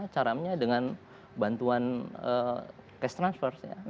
caranya dengan bantuan cash transfers ya